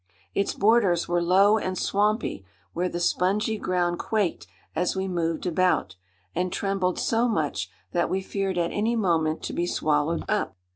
Its borders were low and swampy, where the spongy ground quaked as we moved about, and trembled so much that we feared at any moment to be swallowed up.